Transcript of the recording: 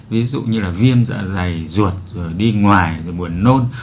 ví dụ như là viêm dạ dày ruột rồi đi ngoài rồi buồn nôn